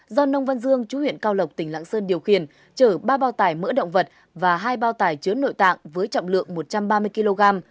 do nông văn dương chú huyện cao lộc tỉnh lạng sơn điều khiển chở ba bao tải mỡ động vật và hai bao tải chứa nội tạng với trọng lượng một trăm ba mươi kg